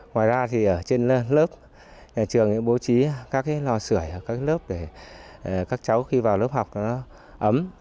ngoài ra trên lớp nhà trường đã bố trí các lò sửa để các cháu khi vào lớp học ấm